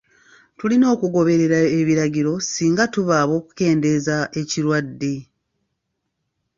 Tulina okugoberera ebiragiro singa tuba ab'okukendeeza ekirwadde.